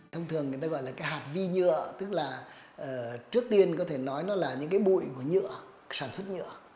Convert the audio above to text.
thông thường người ta gọi là cái hạt vi nhựa tức là trước tiên có thể nói nó là những cái bụi của nhựa sản xuất nhựa